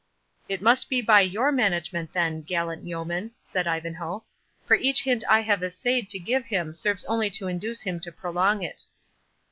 "It must be by your management then, gallant yeoman," said Ivanhoe; "for each hint I have essayed to give him serves only to induce him to prolong it."